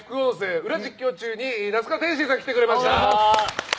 「ウラ実況中」に那須川天心さんが来てくれました。